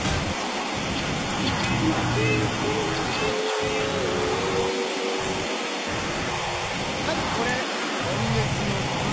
ウキウキの木はいこれこんげつのぶん。